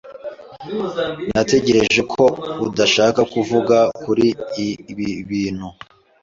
Natekereje ko udashaka kuvuga kuri ibi bintu.